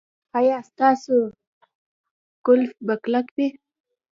ایا ستاسو قفل به کلک وي؟